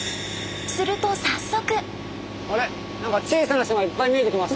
すると早速！